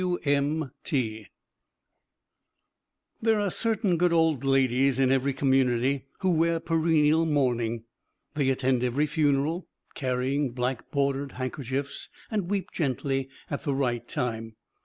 W.M.T. [Illustration: W.M. THACKERAY] There are certain good old ladies in every community who wear perennial mourning. They attend every funeral, carrying black bordered handkerchiefs, and weep gently at the right time.